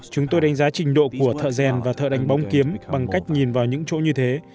chúng tôi đánh giá trình độ của thợ rèn và thợ đánh bóng kiếm bằng cách nhìn vào những chỗ như thế